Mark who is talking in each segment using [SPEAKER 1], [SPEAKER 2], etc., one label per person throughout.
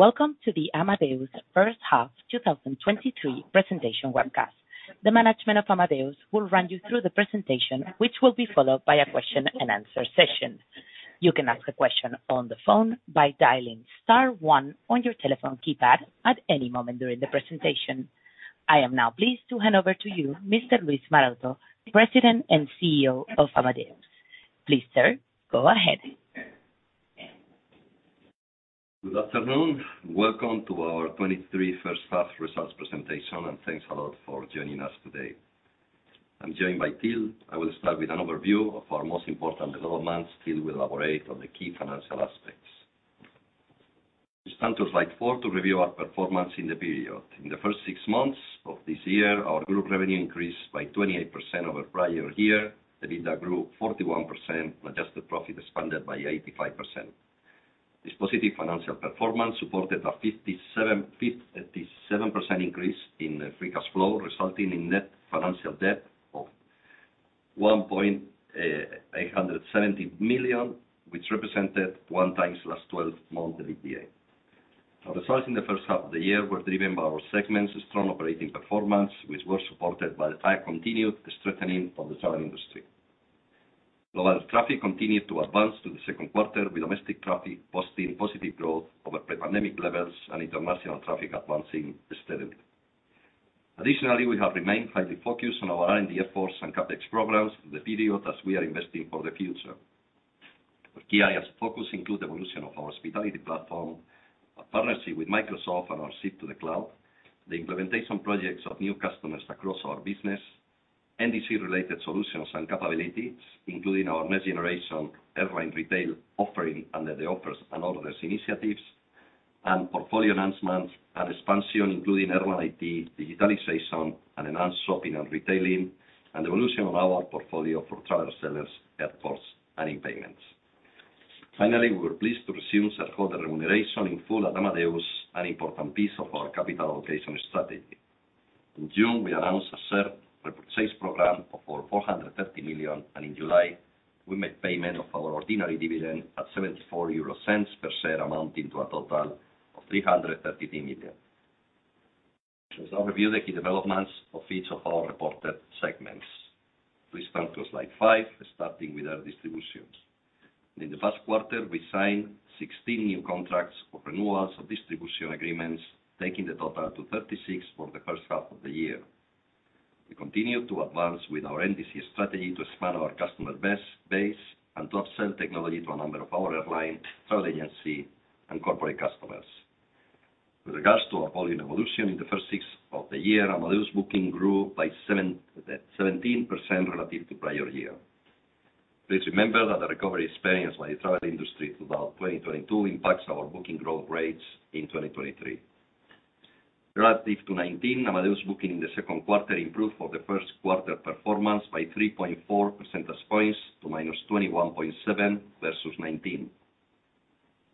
[SPEAKER 1] Welcome to the Amadeus first half 2023 presentation webcast. The management of Amadeus will run you through the presentation, which will be followed by a question-and-answer session. You can ask a question on the phone by dialing star one on your telephone keypad at any moment during the presentation. I am now pleased to hand over to you, Mr. Luis Maroto, President and CEO of Amadeus. Please, sir, go ahead.
[SPEAKER 2] Good afternoon. Welcome to our 2023 first half results presentation. Thanks a lot for joining us today. I'm joined by Till. I will start with an overview of our most important developments. Till will elaborate on the key financial aspects. Let's turn to slide four to review our performance in the period. In the first six months of this year, our group revenue increased by 28% over prior year. EBITDA grew 41%, adjusted profit expanded by 85%. This positive financial performance supported a 57% increase in free cash flow, resulting in net financial debt of 1.870 million, which represented 1x last 12-month EBITDA. Our results in the first half of the year were driven by our segments' strong operating performance, which were supported by the high continued strengthening of the travel industry. Global traffic continued to advance through the second quarter, with domestic traffic posting positive growth over pre-pandemic levels and international traffic advancing steadily. Additionally, we have remained highly focused on our R&D efforts and CapEx programs in the period as we are investing for the future. Our key areas focus include evolution of our hospitality platform, a partnership with Microsoft, and our shift to the cloud, the implementation projects of new customers across our business, NDC-related solutions and capabilities, including our next-generation airline retail offering under the Offers and Orders initiatives, and portfolio enhancements and expansion, including Airline IT, digitalization, and enhanced shopping and retailing, and evolution of our portfolio for travel sellers, airports, and in payments. Finally, we were pleased to resume shareholder remuneration in full at Amadeus, an important piece of our capital allocation strategy. In June, we announced a share repurchase program of over 430 million. In July, we made payment of our ordinary dividend at 0.74 per share, amounting to a total of 333 million. Let's now review the key developments of each of our reported segments. Please turn to slide five, starting with our distributions. In the first quarter, we signed 16 new contracts for renewals of distribution agreements, taking the total to 36 for the first half of the year. We continued to advance with our NDC strategy to expand our customer base and to upsell technology to a number of our airline, travel agency, and corporate customers. With regards to our volume evolution, in the first six months of the year, Amadeus booking grew by 17% relative to prior year. Please remember that the recovery experienced by the travel industry throughout 2022 impacts our booking growth rates in 2023. Relative to 19, Amadeus booking in the second quarter improved for the first quarter performance by 3.4 percentage points to -21.7 versus 19.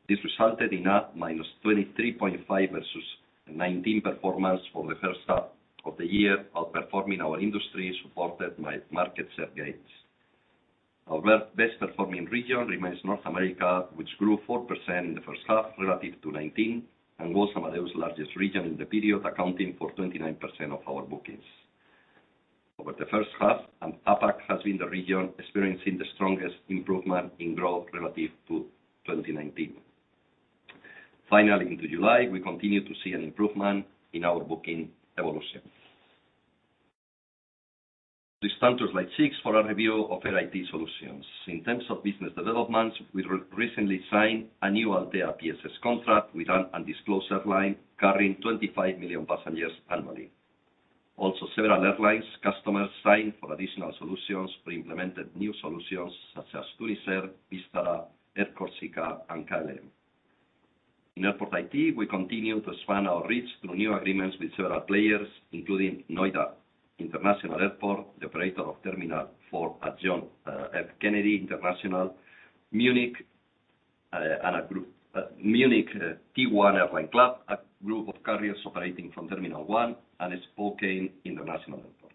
[SPEAKER 2] This resulted in a -23.5 versus 19 performance for the first half of the year, outperforming our industry, supported by market share gains. Our best-performing region remains North America, which grew 4% in the first half relative to 19 and was Amadeus' largest region in the period, accounting for 29% of our bookings. Over the first half, APAC has been the region experiencing the strongest improvement in growth relative to 2019. Finally, into July, we continued to see an improvement in our booking evolution. Please turn to slide six for a review of Air IT Solutions. In terms of business developments, we recently signed a new Altéa PSS contract with an undisclosed airline carrying 25 million passengers annually. Several airlines customers signed for additional solutions or implemented new solutions such as Tunisair, Vistara, Air Corsica, and KLM. In Airport IT, we continue to expand our reach through new agreements with several players, including Noida International Airport, the operator of Terminal 4 at John F. Kennedy International, Munich, Munich T1 Airline Club, a group of carriers operating from Terminal 1, and Spokane International Airport.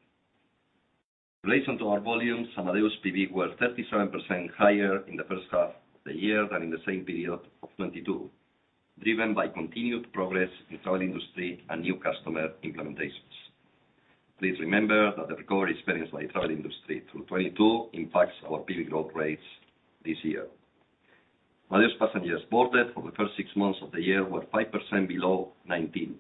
[SPEAKER 2] In relation to our volumes, Amadeus PB were 37% higher in the first half of the year than in the same period of 2022, driven by continued progress in travel industry and new customer implementations. Please remember that the recovery experienced by the travel industry through 2022 impacts our PV growth rates this year. Amadeus Passengers Boarded for the first six months of the year were 5% below 2019.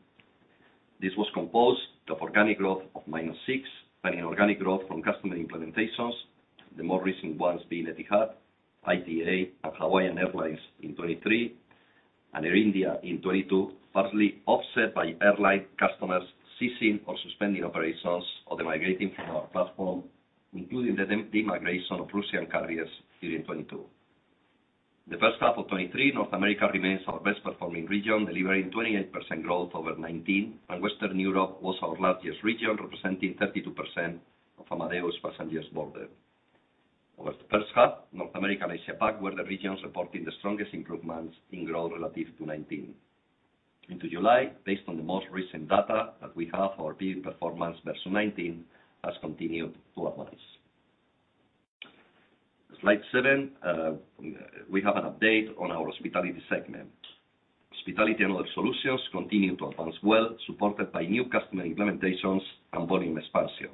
[SPEAKER 2] This was composed of organic growth of -6 and inorganic growth from customer implementations, the more recent ones being Etihad, ITA, and Hawaiian Airlines in 2023, and Air India in 2022, partly offset by airline customers ceasing or suspending operations or demigrating from our platform, including the demigration of Russian carriers during 2022. The first half of 2023, North America remains our best-performing region, delivering 28% growth over 2019, Western Europe was our largest region, representing 32% of Amadeus Passengers Boarded. Over the first half, North America and AsiaPac were the regions reporting the strongest improvements in growth relative to 2019.... into July, based on the most recent data that we have, our PB performance versus 19 has continued to advance. Slide seven, we have an update on our Hospitality segment. Hospitality and Other Solutions continue to advance well, supported by new customer implementations and volume expansion.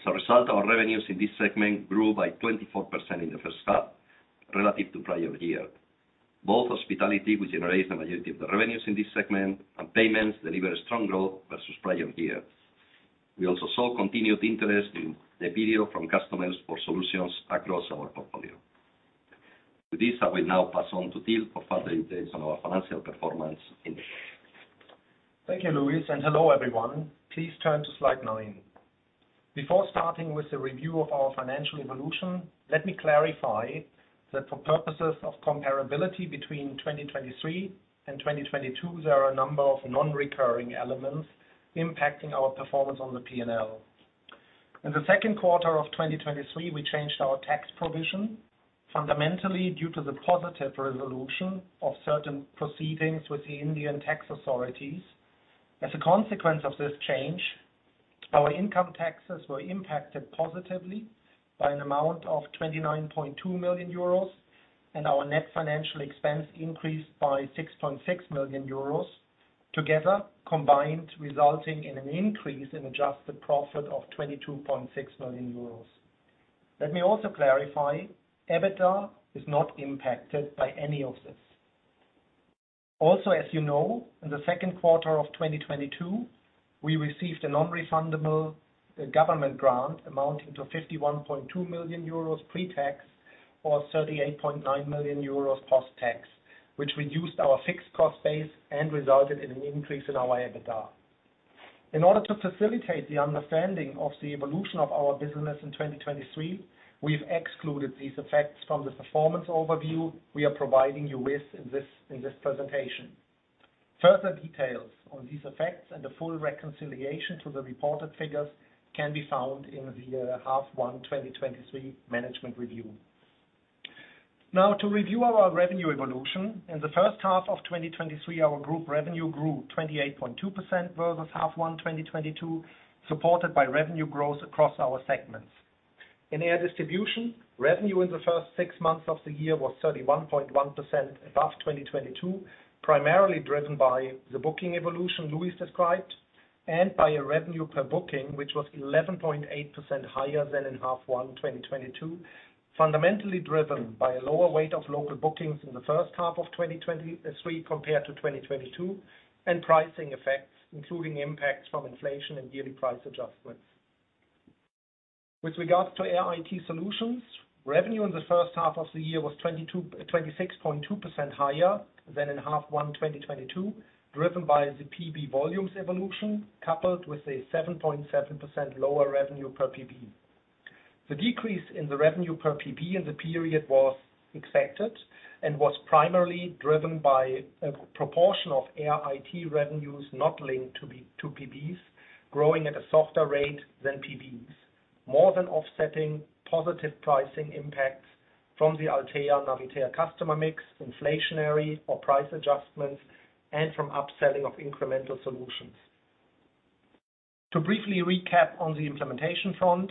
[SPEAKER 2] As a result, our revenues in this segment grew by 24% in the first half relative to prior year. Both Hospitality, which generates the majority of the revenues in this segment, and payments delivered strong growth versus prior year. We also saw continued interest in the video from customers for solutions across our portfolio. With this, I will now pass on to Till for further updates on our financial performance in.
[SPEAKER 3] Thank you, Luis, and hello, everyone. Please turn to slide nine. Before starting with the review of our financial evolution, let me clarify that for purposes of comparability between 2023 and 2022, there are a number of non-recurring elements impacting our performance on the P&L. In the second quarter of 2023, we changed our tax provision, fundamentally due to the positive resolution of certain proceedings with the Indian tax authorities. As a consequence of this change, our income taxes were impacted positively by an amount of 29.2 million euros, and our net financial expense increased by 6.6 million euros, together combined, resulting in an increase in adjusted profit of 22.6 million euros. Let me also clarify, EBITDA is not impacted by any of this. Also, as you know, in the second quarter of 2022, we received a non-refundable government grant amounting to 51.2 million euros pre-tax, or 38.9 million euros post-tax, which reduced our fixed cost base and resulted in an increase in our EBITDA. In order to facilitate the understanding of the evolution of our business in 2023, we've excluded these effects from the performance overview we are providing you with in this presentation. Further details on these effects and the full reconciliation to the reported figures can be found in the half one 2023 management review. Now, to review our revenue evolution. In the first half of 2023, our group revenue grew 28.2% versus half one 2022, supported by revenue growth across our segments. In Air Distribution, revenue in the first six months of the year was 31.1% above 2022, primarily driven by the booking evolution Luis described, and by a revenue per booking, which was 11.8% higher than in half one 2022, fundamentally driven by a lower weight of local bookings in the first half of 2023 compared to 2022, and pricing effects, including impacts from inflation and yearly price adjustments. With regards to Air IT Solutions, revenue in the first half of the year was 26.2% higher than in half one 2022, driven by the PB volumes evolution, coupled with a 7.7% lower revenue per PB. The decrease in the revenue per PB in the period was expected and was primarily driven by a proportion of Air IT revenues not linked to PBs, growing at a softer rate than PBs. More than offsetting positive pricing impacts from the Altéa Navitaire customer mix, inflationary or price adjustments, and from upselling of incremental solutions. To briefly recap on the implementation front,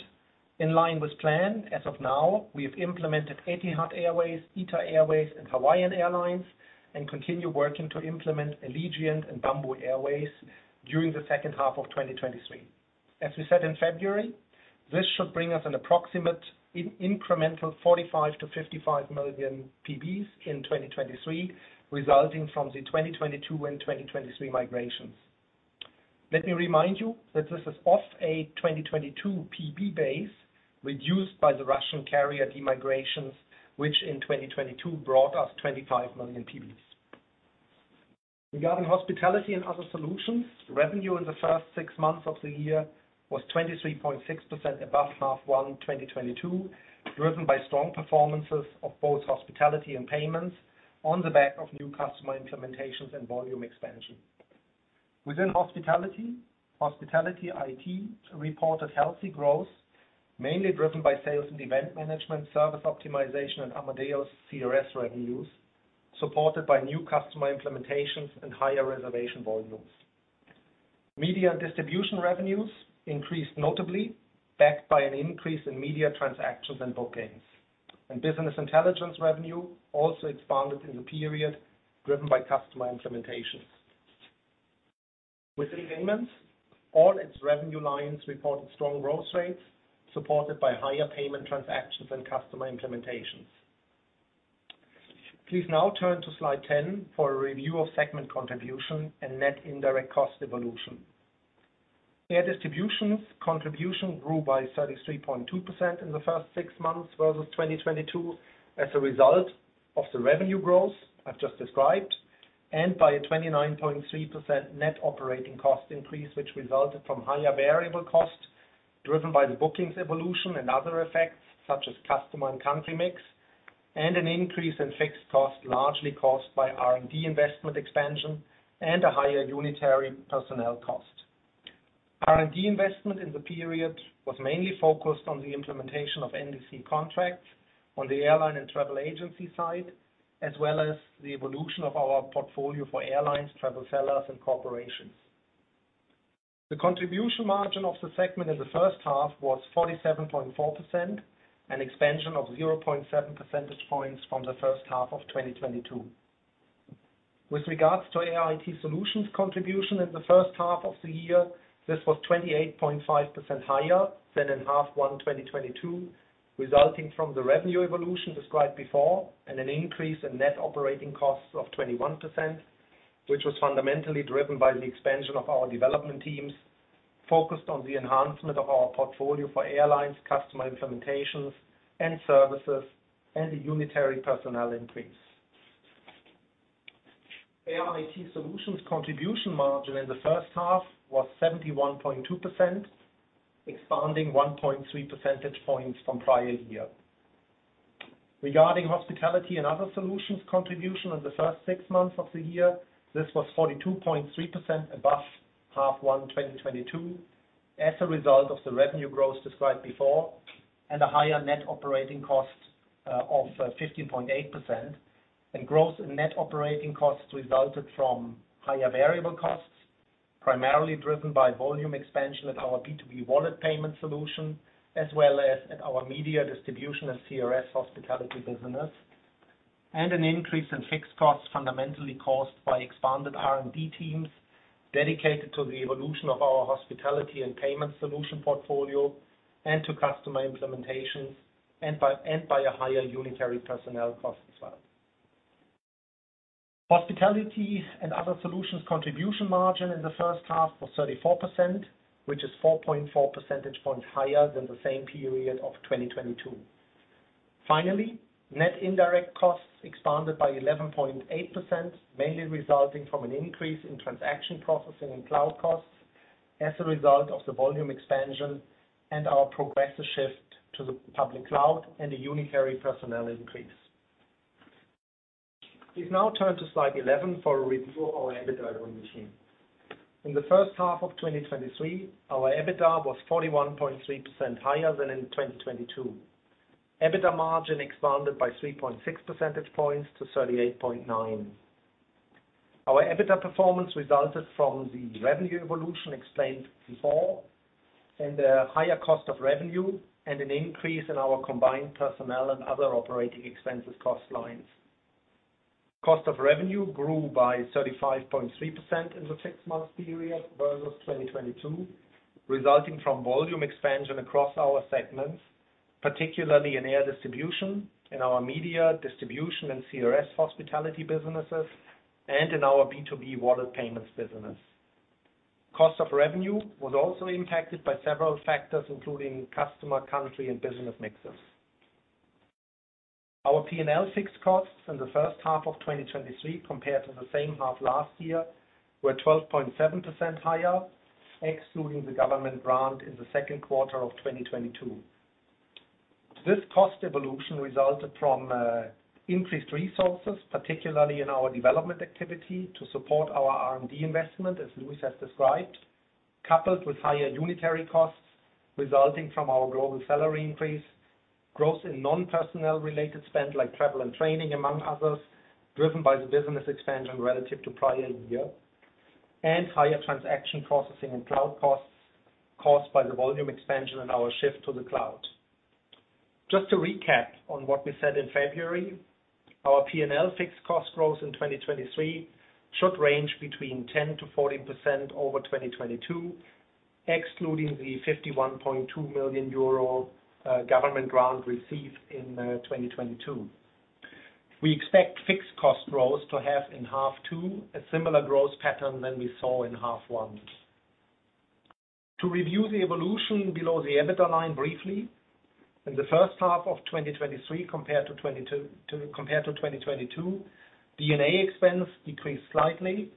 [SPEAKER 3] in line with plan, as of now, we have implemented Etihad Airways, ITA Airways, and Hawaiian Airlines. Continue working to implement Allegiant and Bamboo Airways during the second half of 2023. As we said in February, this should bring us an approximate incremental 45 million-55 million PBs in 2023, resulting from the 2022 and 2023 migrations. Let me remind you that this is off a 2022 PB base, reduced by the Russian carrier demigrations, which in 2022 brought us 25 million PBs. Regarding Hospitality and Other Solutions, revenue in the first six months of the year was 23.6% above half one 2022, driven by strong performances of both hospitality and payments on the back of new customer implementations and volume expansion. Within hospitality, Hospitality IT reported healthy growth, mainly driven by sales and event management, service optimization, and Amadeus CRS revenues, supported by new customer implementations and higher reservation volumes. Media and distribution revenues increased notably, backed by an increase in media transactions and bookings. Business intelligence revenue also expanded in the period, driven by customer implementations. Within payments, all its revenue lines reported strong growth rates, supported by higher payment transactions and customer implementations. Please now turn to slide 10 for a review of segment contribution and net indirect cost evolution. Air Distribution contribution grew by 33.2% in the first six months versus 2022, as a result of the revenue growth I've just described, and by a 29.3% net operating cost increase, which resulted from higher variable costs, driven by the bookings evolution and other effects, such as customer and country mix, and an increase in fixed costs, largely caused by R&D investment expansion and a higher unitary personnel cost. R&D investment in the period was mainly focused on the implementation of NDC contracts on the airline and travel agency side, as well as the evolution of our portfolio for airlines, travel sellers, and corporations. The contribution margin of the segment in the first half was 47.4%, an expansion of 0.7 percentage points from the first half of 2022. With regards to Air IT Solutions' contribution in the first half of the year, this was 28.5% higher than in half one 2022, resulting from the revenue evolution described before and an increase in net operating costs of 21%, which was fundamentally driven by the expansion of our development teams, focused on the enhancement of our portfolio for airlines, customer implementations, and services, and the unitary personnel increase. Air IT Solutions' contribution margin in the first half was 71.2%, expanding 1.3 percentage points from prior year. Regarding Hospitality and Other Solutions contribution in the first six months of the year, this was 42.3% above half one, 2022, as a result of the revenue growth described before and a higher net operating cost of 15.8%. Growth in net operating costs resulted from higher variable costs, primarily driven by volume expansion at our B2B Wallet payment solution, as well as at our media distribution and CRS hospitality business, and an increase in fixed costs fundamentally caused by expanded R&D teams dedicated to the evolution of our hospitality and payment solution portfolio and to customer implementations, and by a higher unitary personnel cost as well. Hospitality and Other Solutions contribution margin in the first half was 34%, which is 4.4 percentage points higher than the same period of 2022. Finally, net indirect costs expanded by 11.8%, mainly resulting from an increase in transaction processing and cloud costs as a result of the volume expansion and our progressive shift to the public cloud and a unitary personnel increase. Please now turn to slide 11 for a review of our EBITDA margin. In the first half of 2023, our EBITDA was 41.3% higher than in 2022. EBITDA margin expanded by 3.6 percentage points to 38.9%. Our EBITDA performance resulted from the revenue evolution explained before, a higher cost of revenue and an increase in our combined personnel and other operating expenses cost lines. Cost of revenue grew by 35.3% in the six-month period versus 2022, resulting from volume expansion across our segments, particularly in Air Distribution, in our media distribution and CRS hospitality businesses, and in our B2B wallet payments business. Cost of revenue was also impacted by several factors, including customer, country, and business mixes. Our P&L fixed costs in the first half of 2023 compared to the same half last year, were 12.7% higher, excluding the government grant in the second quarter of 2022. This cost evolution resulted from increased resources, particularly in our development activity, to support our R&D investment, as Luis has described, coupled with higher unitary costs resulting from our global salary increase, growth in non-personnel related spend, like travel and training, among others, driven by the business expansion relative to prior year, and higher transaction processing and cloud costs caused by the volume expansion and our shift to the cloud. Just to recap on what we said in February, our P&L fixed cost growth in 2023 should range between 10%-14% over 2022, excluding the 51.2 million euro government grant received in 2022. We expect fixed cost growth to have in half two a similar growth pattern than we saw in half one. To review the evolution below the EBITDA line briefly, in the first half of 2023 compared to 2022, D&A expense decreased slightly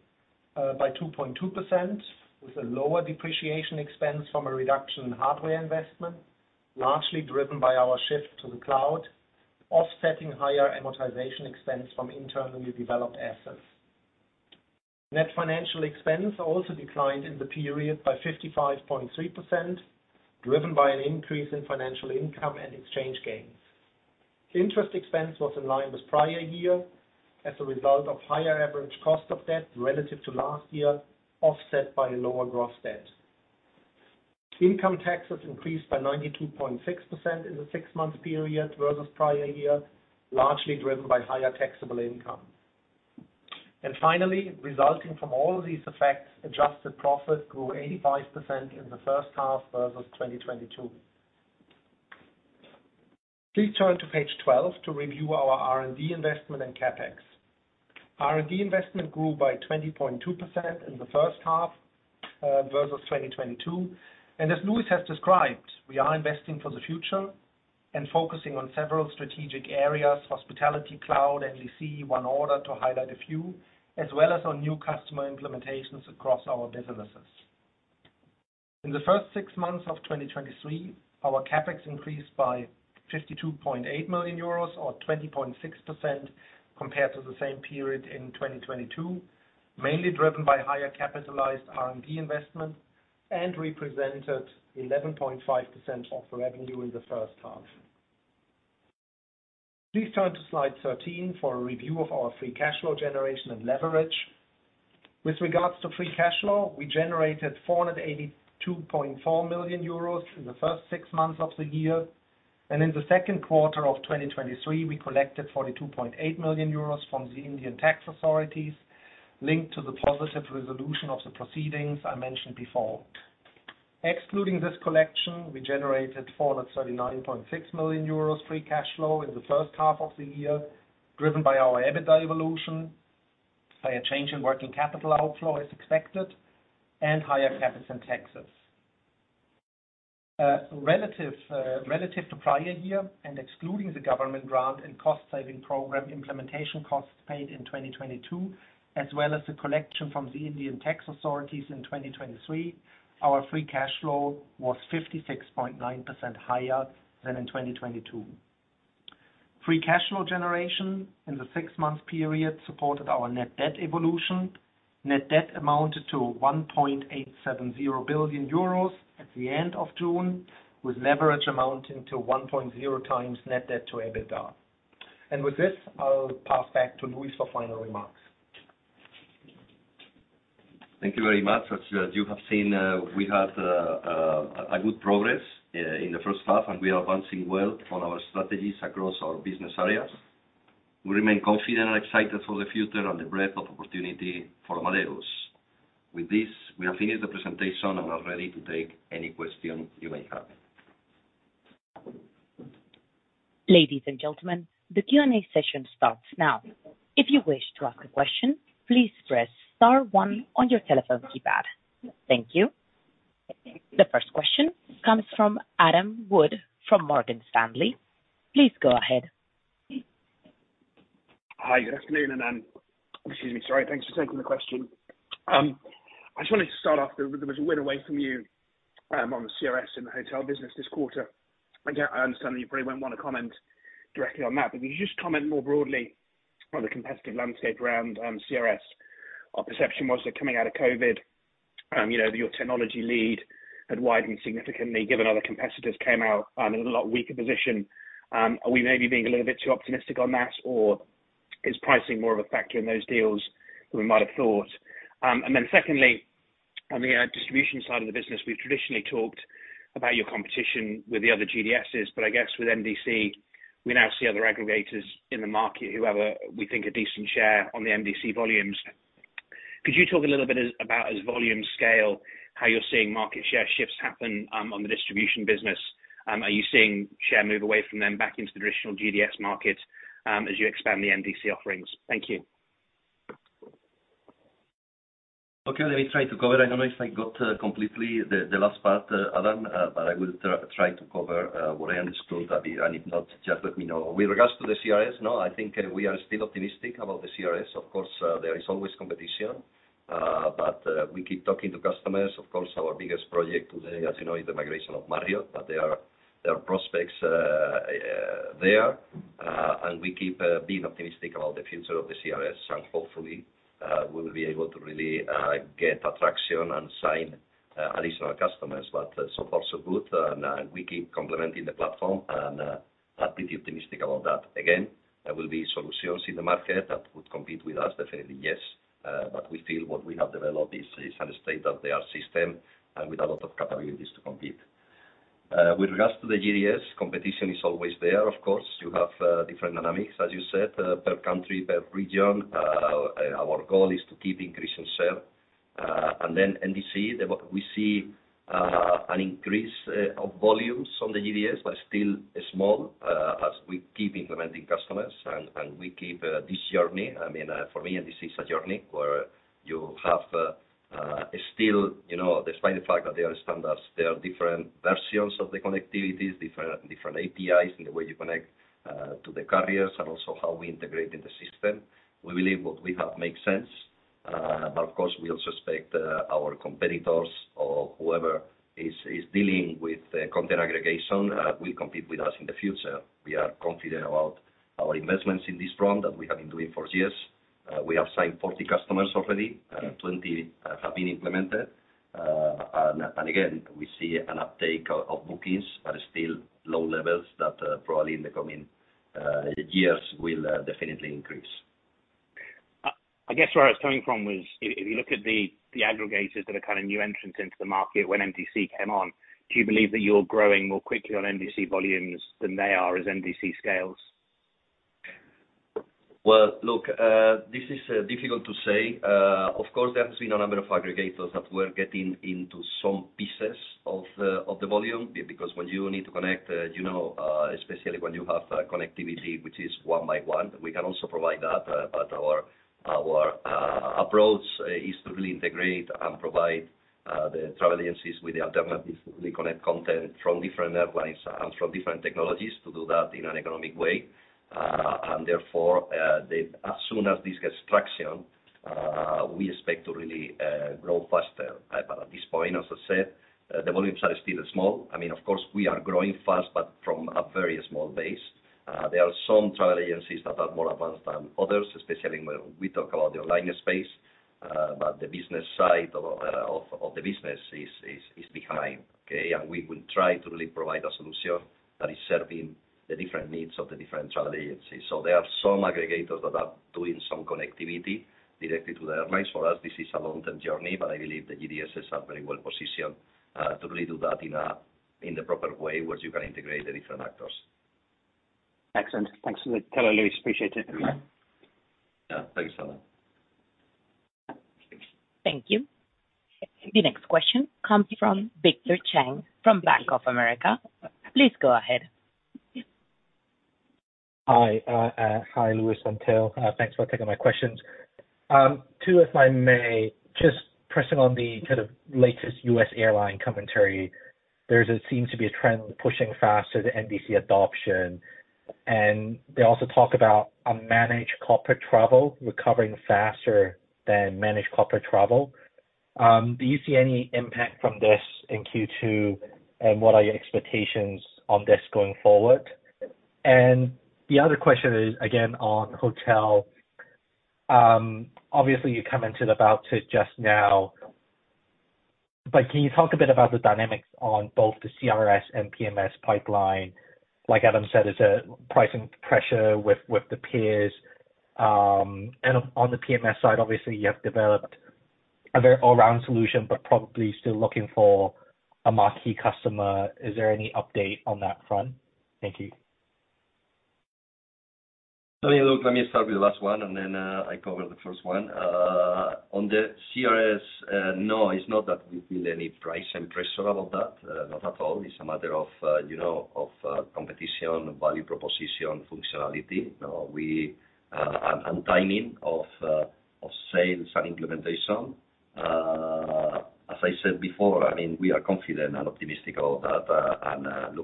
[SPEAKER 3] by 2.2%, with a lower depreciation expense from a reduction in hardware investment, largely driven by our shift to the cloud, offsetting higher amortization expense from internally developed assets. Net financial expense also declined in the period by 55.3%, driven by an increase in financial income and exchange gains. Interest expense was in line with prior year as a result of higher average cost of debt relative to last year, offset by lower gross debt. Income taxes increased by 92.6% in the six-month period versus prior year, largely driven by higher taxable income. Finally, resulting from all these effects, adjusted profit grew 85% in the first half versus 2022. Please turn to page 12 to review our R&D investment and CapEx. R&D investment grew by 20.2% in the first half versus 2022. As Luis has described, we are investing for the future and focusing on several strategic areas, Hospitality, cloud, NDC, One Order, to highlight a few, as well as on new customer implementations across our businesses. In the first six months of 2023, our CapEx increased by 52.8 million euros, or 20.6% compared to the same period in 2022, mainly driven by higher capitalized R&D investment and represented 11.5% of revenue in the first half. Please turn to slide 13 for a review of our free cash flow generation and leverage. With regards to free cash flow, we generated 482.4 million euros in the first six months of the year, and in the 2Q 2023, we collected 42.8 million euros from the Indian tax authorities, linked to the positive resolution of the proceedings I mentioned before. Excluding this collection, we generated 439.6 million euros free cash flow in the first half of the year, driven by our EBITDA evolution, by a change in working capital outflow as expected, and higher CapEx and taxes. Relative, relative to prior year and excluding the government grant and cost saving program, implementation costs paid in 2022, as well as the collection from the Indian tax authorities in 2023, our free cash flow was 56.9% higher than in 2022. Free cash flow generation in the six-month period supported our net debt evolution. Net debt amounted to 1.870 billion euros at the end of June, with leverage amounting to 1.0x net debt to EBITDA. With this, I'll pass back to Luis for final remarks.
[SPEAKER 2] Thank you very much. As, as you have seen, we had a good progress in the first half, and we are advancing well on our strategies across our business areas. We remain confident and excited for the future and the breadth of opportunity for Amadeus. With this, we have finished the presentation and are ready to take any questions you may have.
[SPEAKER 1] Ladies and gentlemen, the Q&A session starts now. If you wish to ask a question, please press star one on your telephone keypad. Thank you. The first question comes from Adam Wood from Morgan Stanley. Please go ahead.
[SPEAKER 4] Hi, good afternoon. Excuse me, sorry. Thanks for taking the question. I just wanted to start off, there, there was a win away from you, on the CRS in the hotel business this quarter. I understand that you probably won't want to comment directly on that, but can you just comment more broadly on the competitive landscape around, CRS? Our perception was that coming out of COVID, you know, your technology lead had widened significantly, given other competitors came out, in a lot weaker position. Are we maybe being a little bit too optimistic on that, or is pricing more of a factor in those deals than we might have thought? Secondly, on the distribution side of the business, we've traditionally talked about your competition with the other GDSs. I guess with NDC, we now see other aggregators in the market who have, we think, a decent share on the NDC volumes. Could you talk a little bit about as volume scale, how you're seeing market share shifts happen on the distribution business? Are you seeing share move away from them back into the traditional GDS market as you expand the NDC offerings? Thank you.
[SPEAKER 2] Okay, let me try to cover. I don't know if I got completely the last part, Adam, but I will try to cover what I understood a bit, and if not, just let me know. With regards to the CRS, no, I think we are still optimistic about the CRS. Of course, there is always competition, but we keep talking to customers. Of course, our biggest project today, as you know, is the migration of Marriott, but there are prospects there, and we keep being optimistic about the future of the CRS. Hopefully, we will be able to really get attraction and sign additional customers. But so far, so good, and we keep complementing the platform and are pretty optimistic about that. Again, there will be solutions in the market that would compete with us. Definitely, yes, but we feel what we have developed is, is a state-of-the-art system and with a lot of capabilities to compete. With regards to the GDS, competition is always there. Of course, you have different dynamics, as you said, per country, per region. Our goal is to keep increasing share. Then NDC, the-- we see an increase of volumes on the GDS, but still small, as we keep implementing customers, and, and we keep this journey. I mean, for me, this is a journey where you have, still, you know, despite the fact that there are standards, there are different versions of the connectivities, different, different APIs, and the way you connect, to the carriers and also how we integrate in the system. We believe what we have makes sense, but of course, we also expect, our competitors or whoever is, is dealing with the content aggregation, will compete with us in the future. We are confident about our investments in this front that we have been doing for years. We have signed 40 customers already, 20 have been implemented. And again, we see an uptake of, of bookings, but still low levels that probably in the coming years will definitely increase.
[SPEAKER 4] I guess where I was coming from was, if, if you look at the, the aggregators that are kind of new entrants into the market when NDC came on, do you believe that you're growing more quickly on NDC volumes than they are as NDC scales?
[SPEAKER 2] Well, look, this is difficult to say. Of course, there has been a number of aggregators that were getting into some pieces of the, of the volume, because when you need to connect, you know, especially when you have connectivity, which is one by one, we can also provide that. Our, our approach is to really integrate and provide the travel agencies with the alternative. We connect content from different airlines and from different technologies to do that in an economic way. Therefore, as soon as this gets traction, we expect to really grow faster. At this point, as I said, the volumes are still small. I mean, of course, we are growing fast, but from a very small base. There are some travel agencies that are more advanced than others, especially when we talk about the online space. But the business side of, of, of the business is, is, is behind, okay? We will try to really provide a solution that is serving the different needs of the different travel agencies. There are some aggregators that are doing some connectivity directly to the airlines. For us, this is a long-term journey, but I believe the GDSs are very well positioned to really do that in a, in the proper way, where you can integrate the different actors.
[SPEAKER 4] Excellent. Thanks for that, Luis. Appreciate it.
[SPEAKER 2] Yeah. Thanks, Adam.
[SPEAKER 1] Thank you. The next question comes from Victor Cheng from Bank of America. Please go ahead.
[SPEAKER 5] Hi, hi, Luis and team. Thanks for taking my questions. Two, if I may, just pressing on the kind of latest U.S. airline commentary. There's seems to be a trend pushing faster to NDC adoption, and they also talk about unmanaged corporate travel recovering faster than managed corporate travel. Do you see any impact from this in Q2, and what are your expectations on this going forward? The other question is, again, on hotel. Obviously, you commented about it just now, but can you talk a bit about the dynamics on both the CRS and PMS pipeline? Like Adam said, there's pricing pressure with the peers. On the PMS side, obviously, you have developed a very all-round solution, but probably still looking for a marquee customer. Is there any update on that front? Thank you.
[SPEAKER 2] Yeah, look, let me start with the last one, and then I cover the first one. On the CRS, no, it's not that we feel any price and pressure about that, not at all. It's a matter of, you know, of competition, value proposition, functionality. We, and timing of sales and implementation. As I said before, I mean, we are confident and optimistic about that. And,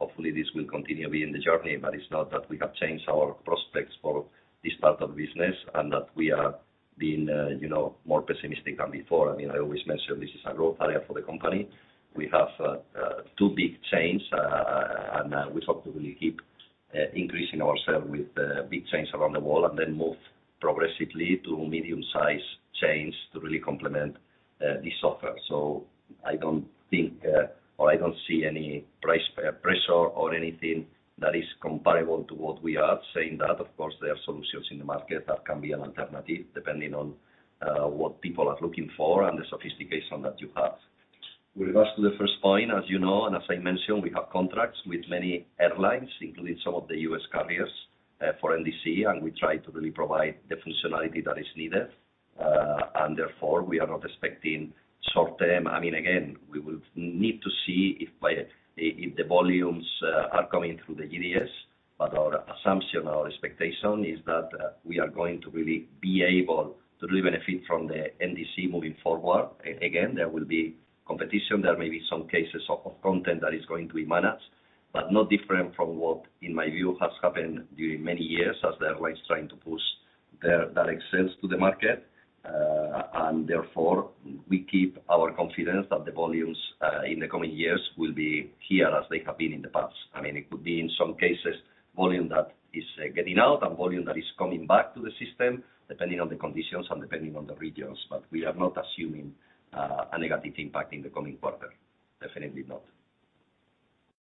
[SPEAKER 2] look, hopefully, this will continue to be in the journey, but it's not that we have changed our prospects for this part of the business and that we are being, you know, more pessimistic than before. I mean, I always mention this is a growth area for the company. We have two big chains, and we hope to really keep increasing our sales with big chains around the world, and then move progressively to medium-sized chains to really complement this software. I don't think or I don't see any price pressure or anything that is comparable to what we are saying, that, of course, there are solutions in the market that can be an alternative, depending on what people are looking for and the sophistication that you have. With regards to the first point, as you know, and as I mentioned, we have contracts with many airlines, including some of the U.S. carriers, for NDC, and we try to really provide the functionality that is needed. Therefore, we are not expecting short-term. I mean, again, we will need to see if by the, if the volumes are coming through the GDS, but our assumption, our expectation is that we are going to really be able to really benefit from the NDC moving forward. Again, there will be competition. There may be some cases of content that is going to be managed, but no different from what, in my view, has happened during many years as the airlines trying to push their direct sales to the market. Therefore, we keep our confidence that the volumes in the coming years will be here, as they have been in the past. I mean, it could be, in some cases, volume that is getting out and volume that is coming back to the system, depending on the conditions and depending on the regions. We are not assuming a negative impact in the coming quarter. Definitely not.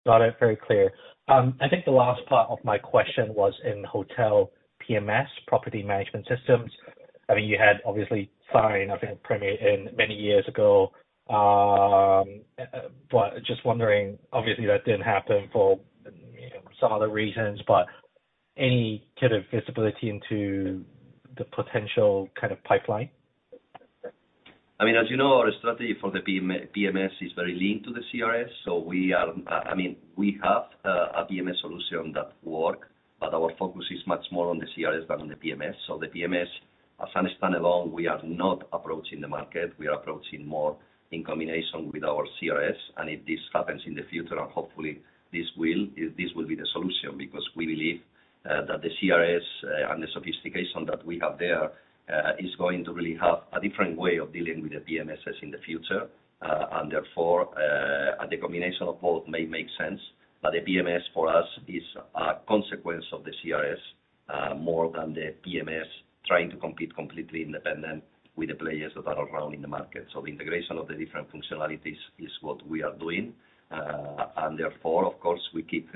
[SPEAKER 5] Got it. Very clear. I think the last part of my question was in hotel PMS, property management systems. I mean, you had obviously signed, I think, Premier Inn many years ago. Just wondering, obviously, that didn't happen for, you know, some other reasons, but any kind of visibility into the potential kind of pipeline?
[SPEAKER 2] I mean, as you know, our strategy for the PMS is very linked to the CRS, so we are, I mean, we have a PMS solution that work, but our focus is much more on the CRS than on the PMS. The PMS, as I understand alone, we are not approaching the market. We are approaching more in combination with our CRS, and if this happens in the future, and hopefully this will, this will be the solution. We believe that the CRS, and the sophistication that we have there, is going to really have a different way of dealing with the PMSs in the future. Therefore, and the combination of both may make sense. The PMS for us is a consequence of the CRS, more than the PMS trying to compete completely independent with the players that are around in the market. The integration of the different functionalities is what we are doing. And therefore, of course, we keep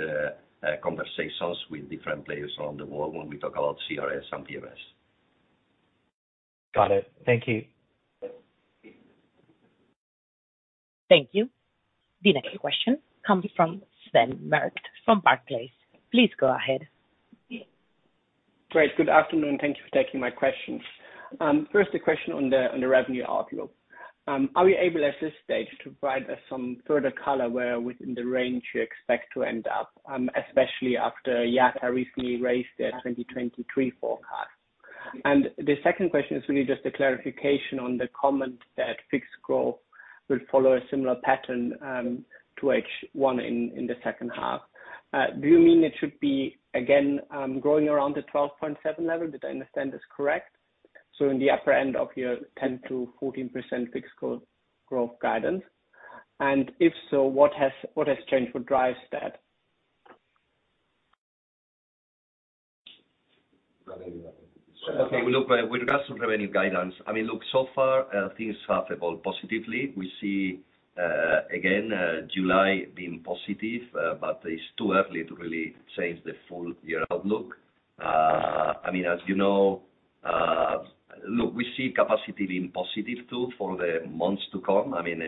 [SPEAKER 2] conversations with different players around the world when we talk about CRS and PMS.
[SPEAKER 5] Got it. Thank you.
[SPEAKER 1] Thank you. The next question comes from Sven Merkt from Barclays. Please go ahead.
[SPEAKER 6] Great. Good afternoon, thank you for taking my questions. First, a question on the, on the revenue outlook. Are we able, at this stage, to provide us some further color where within the range you expect to end up, especially after IATA recently raised their 2023 forecast? The second question is really just a clarification on the comment that fixed growth will follow a similar pattern, to H1 in, in the second half. Do you mean it should be again, growing around the 12.7 level? Did I understand this correct? In the upper end of your 10%-14% fixed growth guidance, and if so, what has, what has changed, what drives that?
[SPEAKER 2] Look, with regards to revenue guidance, I mean, look, so far, things have evolved positively. We see, again, July being positive, but it's too early to really change the full year outlook. I mean, as you know, look, we see capacity being positive, too, for the months to come. I mean,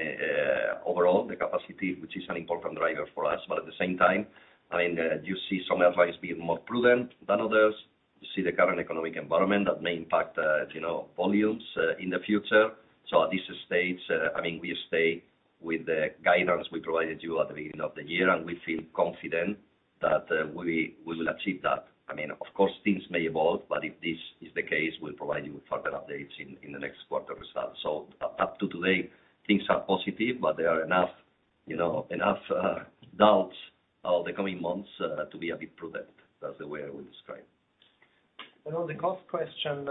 [SPEAKER 2] overall, the capacity, which is an important driver for us, but at the same time, I mean, you see some airlines being more prudent than others. You see the current economic environment that may impact, you know, volumes, in the future. At this stage, I mean, we stay with the guidance we provided you at the beginning of the year. We feel confident that, we, we will achieve that. I mean, of course, things may evolve, but if this is the case, we'll provide you with further updates in, in the next quarter results. Up to today, things are positive, but there are enough, you know, enough doubts of the coming months to be a bit prudent. That's the way I would describe.
[SPEAKER 3] On the cost question,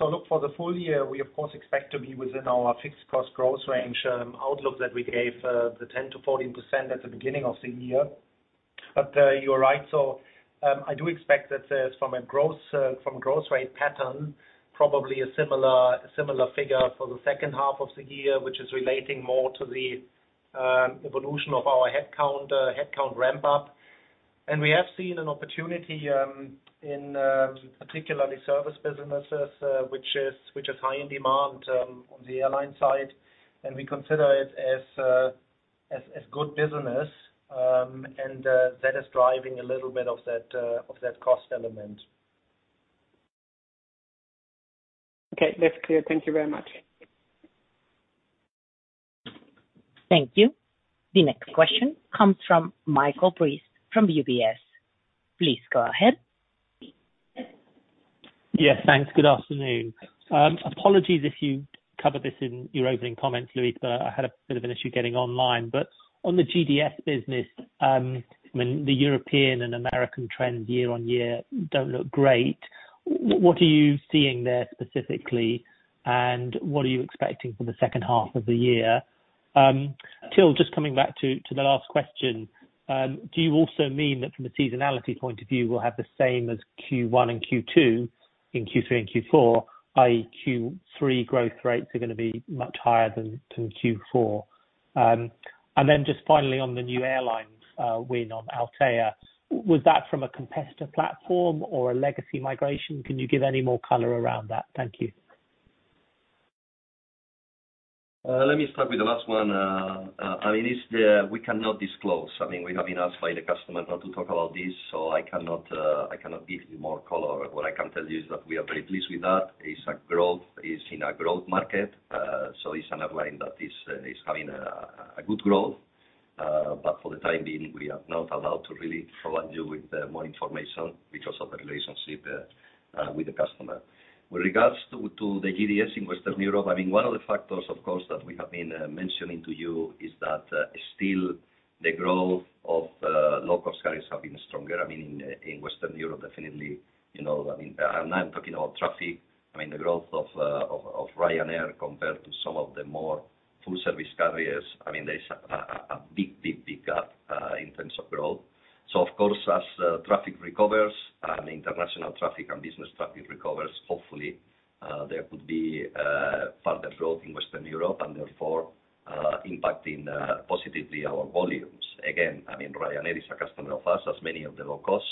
[SPEAKER 3] look, for the full year, we, of course, expect to be within our fixed cost growth range, outlook that we gave, the 10%-14% at the beginning of the year. You are right. I do expect that, from a growth, from growth rate pattern, probably a similar, similar figure for the second half of the year, which is relating more to the evolution of our headcount, headcount ramp up. We have seen an opportunity in particularly service businesses, which is, which is high in demand on the airline side, and we consider it as, as, as good business. That is driving a little bit of that, of that cost element.
[SPEAKER 6] Okay, that's clear. Thank you very much.
[SPEAKER 1] Thank you. The next question comes from Michael Briest from UBS. Please go ahead.
[SPEAKER 7] Yes, thanks. Good afternoon. Apologies if you covered this in your opening comments, Luis, I had a bit of an issue getting online. On the GDS business, I mean, the European and American trends year-on-year don't look great. What are you seeing there specifically, and what are you expecting for the second half of the year? Till, just coming back to, to the last question, do you also mean that from a seasonality point of view, we'll have the same as Q1 and Q2 in Q3 and Q4, i.e., Q3 growth rates are gonna be much higher than, than Q4? Then just finally, on the new airlines win on Altéa, was that from a competitor platform or a legacy migration? Can you give any more color around that? Thank you.
[SPEAKER 2] Let me start with the last one. I mean, we cannot disclose. I mean, we have been asked by the customer not to talk about this, so I cannot, I cannot give you more color. What I can tell you is that we are very pleased with that. It's a growth, it's in a growth market, so it's an airline that is, is having a, a good growth. For the time being, we are not allowed to really provide you with more information because of the relationship with the customer. With regards to the GDS in Western Europe, I mean, one of the factors, of course, that we have been mentioning to you is that still the growth of low-cost carriers have been stronger. I mean, in, in Western Europe, definitely, you know, I mean, and I'm talking about traffic. I mean, the growth of, of, of Ryanair compared to some of the more full-service carriers, I mean, there's a, a, a big, big, big gap in terms of growth. Of course, as traffic recovers, and international traffic and business traffic recovers, hopefully, there could be further growth in Western Europe and therefore, impacting positively our volumes. Again, I mean, Ryanair is a customer of ours, as many of the low costs,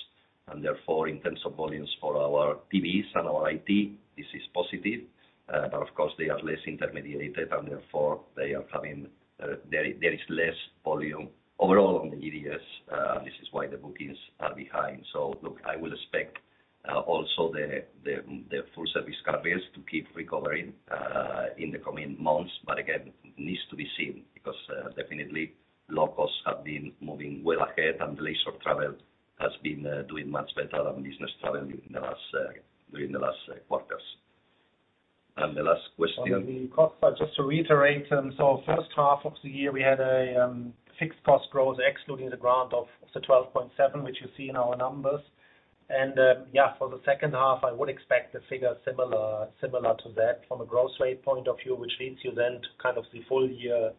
[SPEAKER 2] and therefore, in terms of volumes for our TVs and our IT, this is positive. Of course, they are less intermediated, and therefore, they are having, there is, there is less volume overall on the GDS, this is why the bookings are behind. Look, I will expect, also the, the, the full service carriers to keep recovering, in the coming months. Again, it needs to be seen, because, definitely low costs have been moving well ahead, and leisure travel has been, doing much better than business travel during the last, during the last, quarters. The last question...
[SPEAKER 3] On the cost, just to reiterate, first half of the year, we had a fixed cost growth excluding the grant of the 12.7%, which you see in our numbers. Yeah, for the second half, I would expect the figure similar, similar to that from a growth rate point of view, which leads you then to kind of the full year,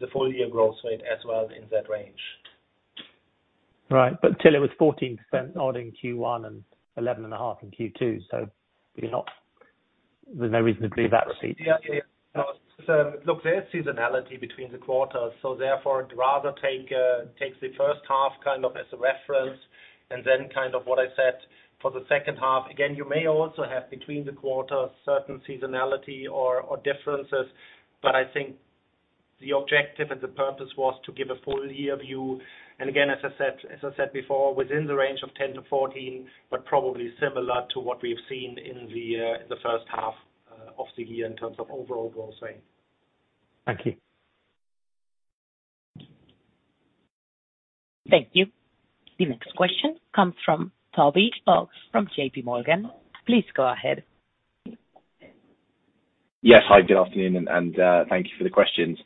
[SPEAKER 3] the full year growth rate as well, in that range.
[SPEAKER 7] Right. Till, it was 14% odd in Q1 and 11.5 in Q2. We're not... There's no reason to believe that repeat.
[SPEAKER 3] Yeah, yeah. Look, there's seasonality between the quarters, so therefore, I'd rather take, take the first half kind of as a reference and then kind of what I said for the second half. Again, you may also have between the quarters, certain seasonality or, or differences, but I think the objective and the purpose was to give a full year view. Again, as I said, as I said before, within the range of 10-14, but probably similar to what we've seen in the, the first half of the year in terms of overall growth rate.
[SPEAKER 7] Thank you.
[SPEAKER 1] Thank you. The next question comes from Toby Ogg from JPMorgan. Please go ahead.
[SPEAKER 8] Yes. Hi, good afternoon, thank you for the questions.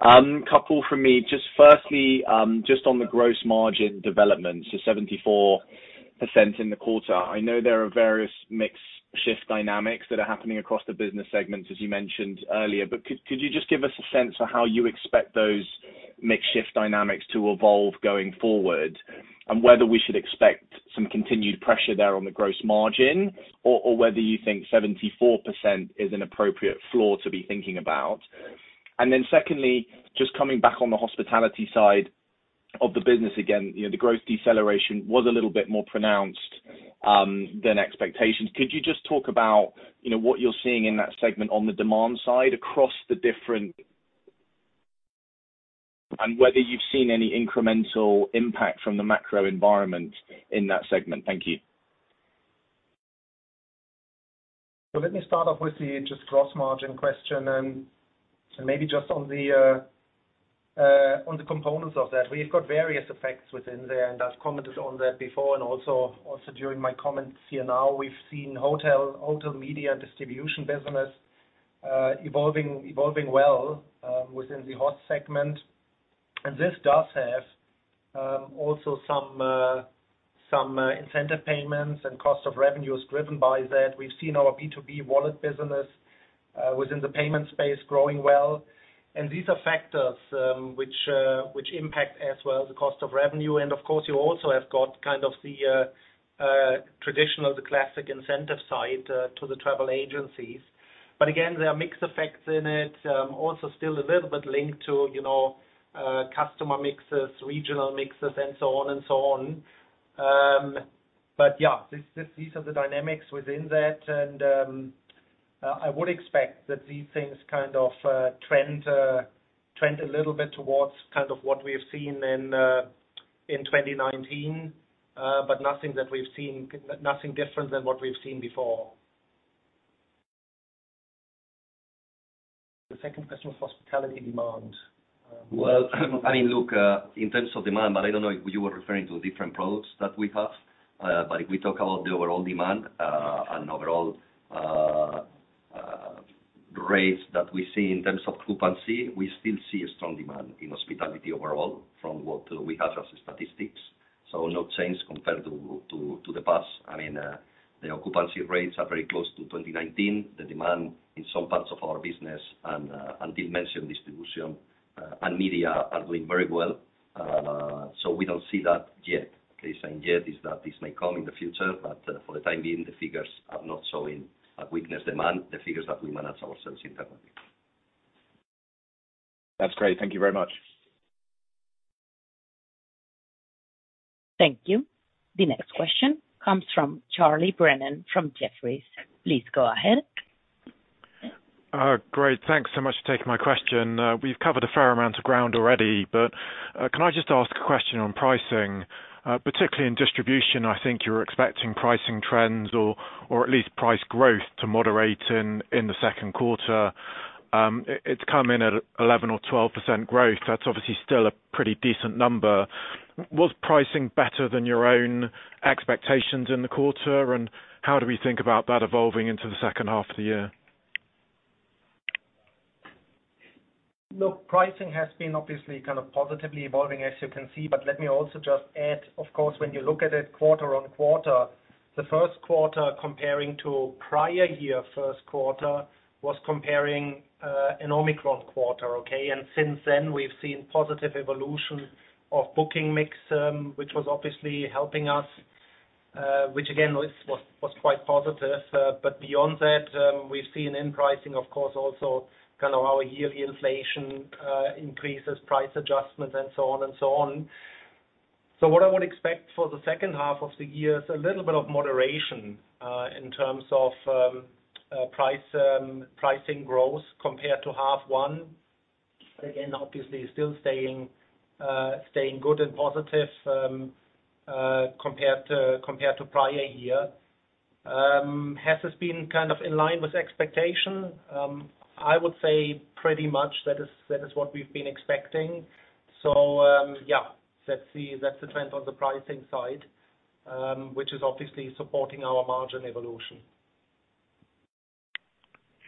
[SPEAKER 8] A couple from me. Just firstly, just on the gross margin development, so 74% in the quarter. I know there are various mix shift dynamics that are happening across the business segments, as you mentioned earlier. Could, could you just give us a sense of how you expect those mix shift dynamics to evolve going forward? Whether we should expect some continued pressure there on the gross margin, or, or whether you think 74% is an appropriate floor to be thinking about. Then secondly, just coming back on the hospitality side of the business again, you know, the growth deceleration was a little bit more pronounced than expectations. Could you just talk about, you know, what you're seeing in that segment on the demand side, across the different-- and whether you've seen any incremental impact from the macro environment in that segment? Thank you.
[SPEAKER 3] Let me start off with the just gross margin question, and so maybe just on the components of that. We've got various effects within there, and I've commented on that before, and also, also during my comments here now. We've seen hotel, hotel media distribution business evolving, evolving well within the hot segment. This does have also some incentive payments and cost of revenues driven by that. We've seen our B2B Wallet business within the payment space growing well. These are factors which impact as well, the cost of revenue. Of course, you also have got kind of the traditional, the classic incentive side to the travel agencies. Again, there are mixed effects in it, also still a little bit linked to, you know, customer mixes, regional mixes, and so on and so on. Yeah, this, these are the dynamics within that, and, I would expect that these things kind of, trend, trend a little bit towards kind of what we have seen in, in 2019. Nothing that we've seen, nothing different than what we've seen before. The second question was hospitality demand.
[SPEAKER 2] Well, I mean, look, in terms of demand, I don't know if you were referring to different products that we have. If we talk about the overall demand, and overall rates that we see in terms of occupancy, we still see a strong demand in hospitality overall, from what we have as statistics. No change compared to, to, to the past. I mean, the occupancy rates are very close to 2019. The demand in some parts of our business and dimension distribution, and media are doing very well. We don't see that yet, okay? Saying yet, is that this may come in the future, for the time being, the figures are not showing a weakness demand, the figures that we manage ourselves internally.
[SPEAKER 8] That's great. Thank you very much.
[SPEAKER 1] Thank you. The next question comes from Charles Brennan from Jefferies. Please go ahead.
[SPEAKER 9] Great. Thanks so much for taking my question. We've covered a fair amount of ground already, can I just ask a question on pricing? Particularly in distribution, I think you're expecting pricing trends or, or at least price growth to moderate in the second quarter. It's come in at 11% or 12% growth. That's obviously still a pretty decent number. Was pricing better than your own expectations in the quarter, and how do we think about that evolving into the second half of the year?
[SPEAKER 3] Look, pricing has been obviously kind of positively evolving, as you can see. Let me also just add, of course, when you look at it quarter-on-quarter, the first quarter comparing to prior year first quarter, was comparing an Omicron quarter, okay? Since then, we've seen positive evolution of booking mix, which was obviously helping us, which again, was, was, was quite positive. Beyond that, we've seen in pricing, of course, also kind of our yearly inflation increases, price adjustments, and so on and so on. What I would expect for the second half of the year is a little bit of moderation in terms of price pricing growth compared to half one. Again, obviously still staying good and positive compared to, compared to prior year. Has this been kind of in line with expectation? I would say pretty much that is, that is what we've been expecting. Yeah, that's the, that's the trend on the pricing side, which is obviously supporting our margin evolution.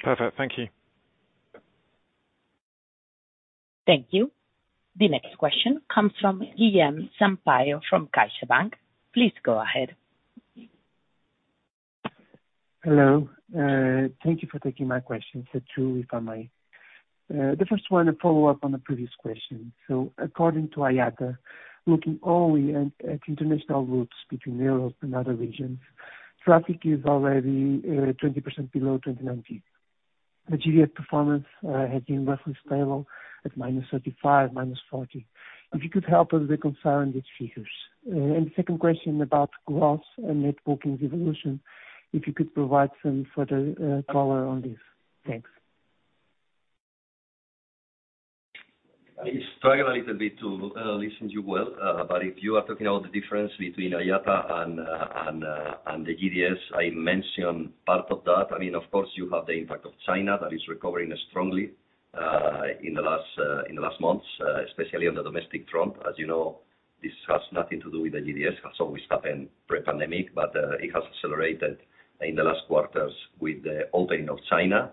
[SPEAKER 9] Perfect. Thank you.
[SPEAKER 1] Thank you. The next question comes from Guilherme Sampaio from CaixaBank. Please go ahead.
[SPEAKER 10] Hello. Thank you for taking my question. The first one, a follow-up on the previous question. According to IATA, looking only at, at international routes between Europe and other regions, traffic is already 20% below 2019. The GDS performance has been roughly stable at -35%, -40%. If you could help us reconcile these figures. The second question about growth and net bookings evolution, if you could provide some further color on this. Thanks.
[SPEAKER 2] I struggled a little bit to listen to you well, but if you are talking about the difference between IATA and the GDS, I mentioned part of that. I mean, of course you have the impact of China, that is recovering strongly in the last months, especially on the domestic front. As you know, this has nothing to do with the GDS, as always happened pre-pandemic, but it has accelerated in the last quarters with the opening of China.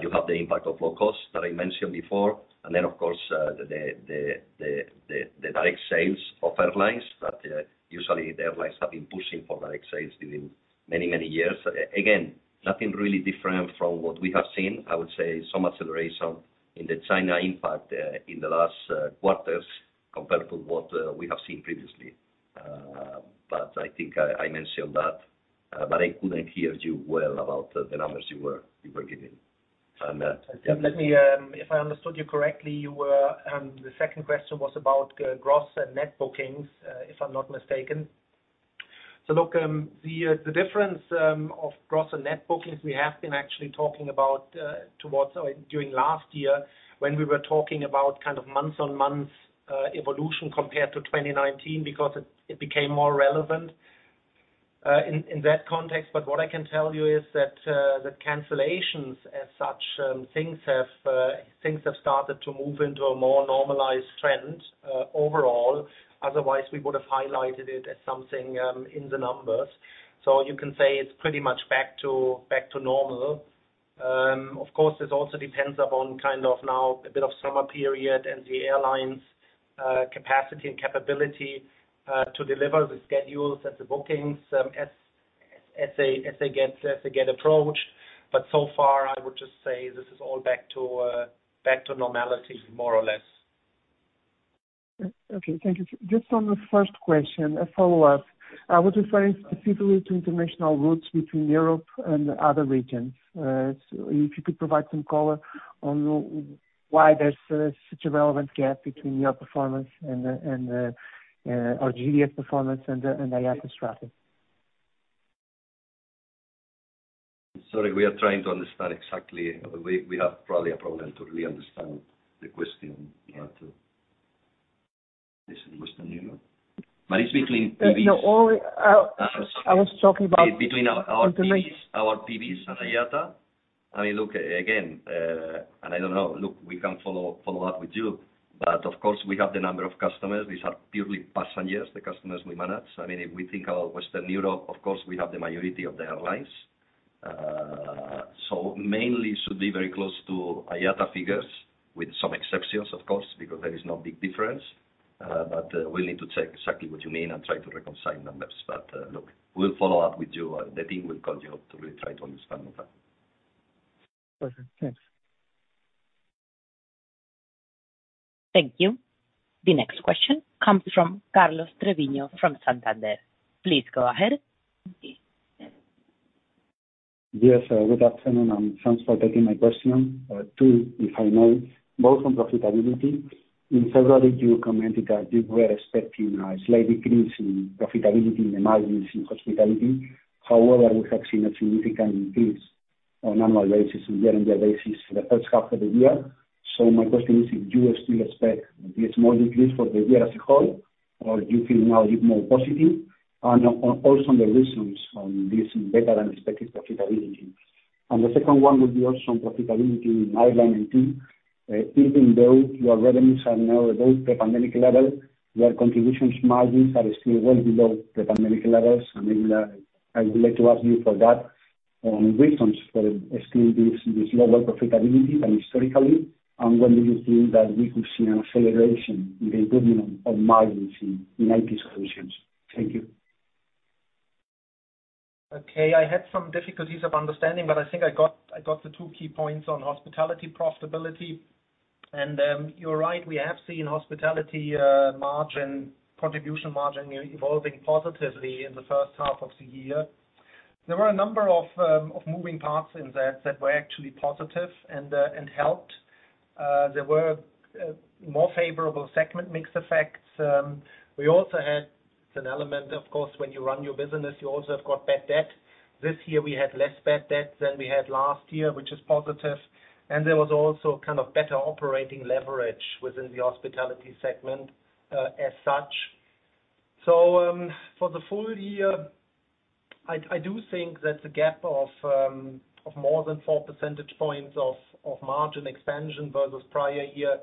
[SPEAKER 2] You have the impact of low cost that I mentioned before. Then of course, the direct sales of airlines, that usually the airlines have been pushing for direct sales during many, many years. Again, nothing really different from what we have seen. I would say some acceleration in the China impact, in the last quarters, compared to what we have seen previously. I think I, I mentioned that, but I couldn't hear you well about the numbers you were, you were giving.
[SPEAKER 3] Let me, if I understood you correctly, you were, the second question was about gross and net bookings, if I'm not mistaken. Look, the difference of gross and net bookings, we have been actually talking about towards, or during last year, when we were talking about kind of month-on-month evolution compared to 2019, because it became more relevant in that context. What I can tell you is that the cancellations as such, things have started to move into a more normalized trend overall. Otherwise, we would have highlighted it as something in the numbers. You can say it's pretty much back to, back to normal. Of course, this also depends upon kind of now a bit of summer period and the airlines, capacity and capability, to deliver the schedules and the bookings, as, as they, as they get, as they get approached. So far, I would just say this is all back to, back to normality, more or less.
[SPEAKER 10] Okay, thank you. Just on the first question, a follow-up. I was referring specifically to international routes between Europe and other regions. If you could provide some color on why there's such a relevant gap between your performance and the, and GDS performance and IATA strategy.
[SPEAKER 2] Sorry, we are trying to understand exactly. We have probably a problem to really understand the question, you have to... Listen, Western Europe, but it's between PBs.
[SPEAKER 10] No, all I was talking about.
[SPEAKER 2] Between our, our PBs, our PBs at IATA. I mean, look, again, I don't know. Look, we can follow, follow-up with you. Of course, we have the number of customers. These are purely passengers, the customers we manage. I mean, if we think of Western Europe, of course, we have the majority of the airlines. Mainly should be very close to IATA figures, with some exceptions, of course, because there is no big difference, we'll need to check exactly what you mean and try to reconcile numbers. Look, we'll follow-up with you. The team will call you up to really try to understand that.
[SPEAKER 10] Perfect. Thanks.
[SPEAKER 1] Thank you. The next question comes from Carlos Treviño from Santander. Please go ahead.
[SPEAKER 11] Yes, good afternoon, and thanks for taking my question. Two, if I may, both on profitability. In February, you commented that you were expecting a slight decrease in profitability in the margins in Hospitality. However, we have seen a significant increase on annual basis and year-on-year basis for the first half of the year. My question is, do you still expect this small decrease for the year as a whole, or you feel now more positive? Also on the reasons on this better-than-expected profitability. The second one would be also on profitability in Airline IT. Even though your revenues are now at those pre-pandemic level, your contribution margins are still well below pre-pandemic levels. Maybe, I would like to ask you for that, reasons for still this, this lower profitability than historically, and when do you feel that we could see an acceleration in the improvement of margins in IT solutions? Thank you.
[SPEAKER 3] Okay, I had some difficulties of understanding, I think I got, I got the two key points on hospitality profitability. You're right, we have seen hospitality margin, contribution margin evolving positively in the first half of the year. There were a number of moving parts in that, that were actually positive and helped. There were more favorable segment mix effects, we also had an element, of course, when you run your business, you also have got bad debt. This year we had less bad debt than we had last year, which is positive. There was also kind of better operating leverage within the hospitality segment as such. For the full year, I, I do think that the gap of more than 4 percentage points of margin expansion versus prior year,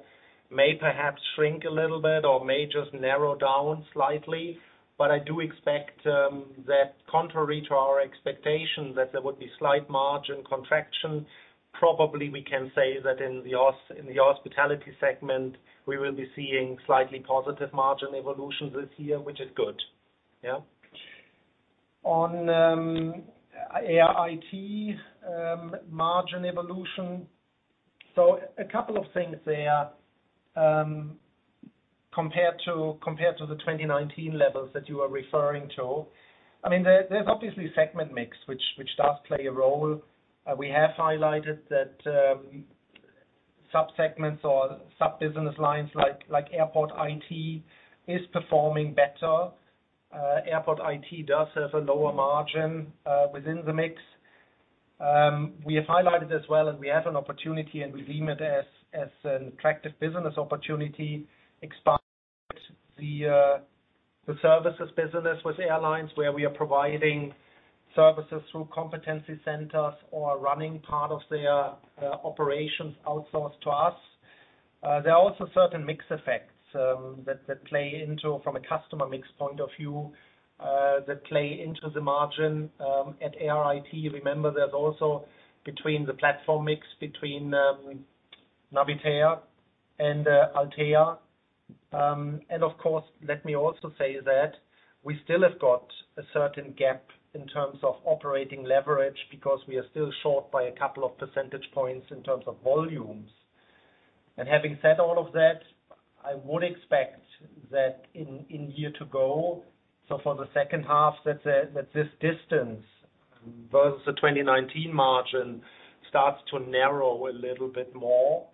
[SPEAKER 3] may perhaps shrink a little bit or may just narrow down slightly. I do expect that contrary to our expectation, that there would be slight margin contraction. Probably we can say that in the hospitality segment, we will be seeing slightly positive margin evolution this year, which is good. Yeah. On Air IT margin evolution. A couple of things there, compared to, compared to the 2019 levels that you are referring to. I mean, there, there's obviously segment mix, which, which does play a role. We have highlighted that sub-segments or sub-business lines like, like Airport IT, is performing better. Airport IT does have a lower margin within the mix. We have highlighted as well, and we have an opportunity, and we view it as, as an attractive business opportunity, expand the services business with airlines, where we are providing services through competency centers or running part of their operations outsourced to us. There are also certain mix effects that, that play into from a customer mix point of view, that play into the margin. At Air IT, remember, there's also between the platform mix, between Navitaire and Altéa. And of course, let me also say that we still have got a certain gap in terms of operating leverage, because we are still short by 2 percentage points in terms of volumes. Having said all of that, I would expect that in, in year to go, so for the second half, that, that this distance versus the 2019 margin starts to narrow a little bit more,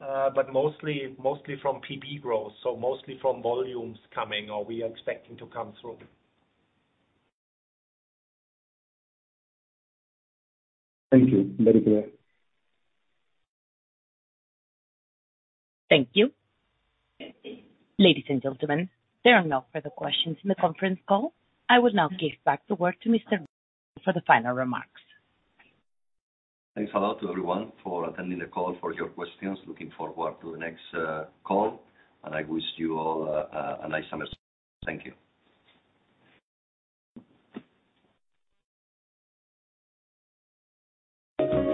[SPEAKER 3] but mostly, mostly from PB growth, so mostly from volumes coming or we are expecting to come through.
[SPEAKER 11] Thank you. Very clear.
[SPEAKER 1] Thank you. Ladies and gentlemen, there are no further questions in the conference call. I will now give back the word to Mr. Maroto for the final remarks.
[SPEAKER 2] Thanks a lot to everyone for attending the call, for your questions. Looking forward to the next call. I wish you all a nice summer. Thank you.